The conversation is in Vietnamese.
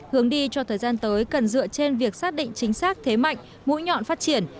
hướng đi cho thời gian tới cần dựa trên việc xác định chính xác thế mạnh mũi nhọn phát triển